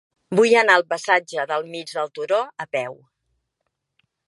Vull anar al passatge del Mig del Turó a peu.